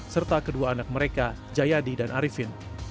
serta kedua anak mereka jayadi dan arifin